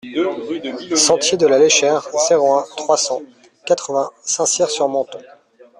Sentier de la Léchère, zéro un, trois cent quatre-vingts Saint-Cyr-sur-Menthon